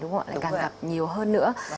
đúng không ạ lại càng gặp nhiều hơn nữa